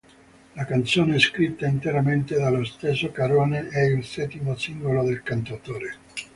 La canzone, scritta interamente dallo stesso Carone, è il settimo singolo del cantautore.